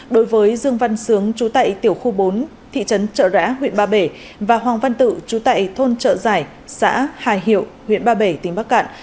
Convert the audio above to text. đối với dương văn sướng trú tại tiểu khu bốn thị trấn trợ rã huyện ba bể và hoàng văn tự chú tại thôn trợ giải xã hà hiệu huyện ba bể tỉnh bắc cạn